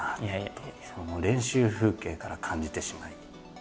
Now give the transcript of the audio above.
練習風景から感じてしまい。